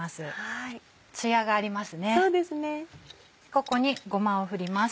ここにごまを振ります。